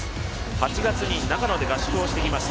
８月に長野で合宿をしてきました。